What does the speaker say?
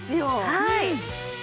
はい。